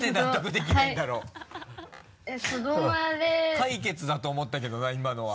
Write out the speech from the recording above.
解決だと思ったけどな今のは。